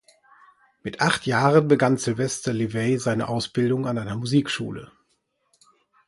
Mit acht Jahren begann Sylvester Levay seine Ausbildung an einer Musikschule.